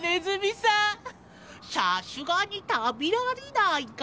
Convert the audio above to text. さすがに食べられないか。